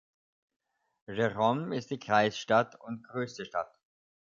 Jerome ist die Kreisstadt und größte Stadt.